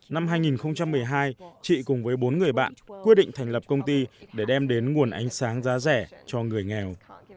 năm hai nghìn một mươi hai chị cùng với bốn người bạn quyết định thành lập công ty để đem đến nguồn ánh sáng giá rẻ cho người nghèo